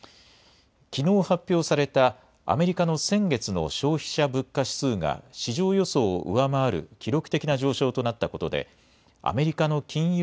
きのう発表された、アメリカの先月の消費者物価指数が、市場予想を上回る記録的な上昇となったことで、アメリカの金融